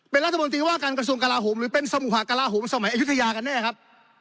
เป็นรัฐมนตรีว่าการกระทรวงกลาโหมหรือเป็นสมุหากราหมสมัยอายุทยากันแน่ครับ